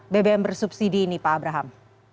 bbm bersubsidi ini pak abraham